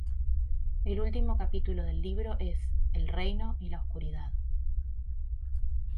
El último capítulo del libro es "El Reino y la Oscuridad".